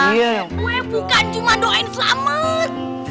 gue bukan cuma doain selamat